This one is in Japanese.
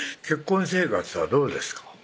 結婚生活はどうですか？